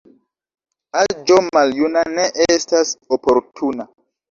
Aĝo maljuna ne estas oportuna.